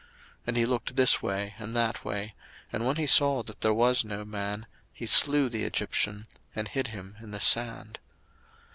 02:002:012 And he looked this way and that way, and when he saw that there was no man, he slew the Egyptian, and hid him in the sand.